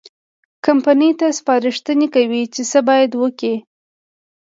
کمپنۍ ته سپارښتنې کوي چې څه باید وکړي.